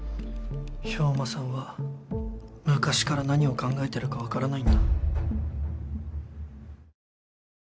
兵馬さんは昔から何を考えてるか分からないんだ。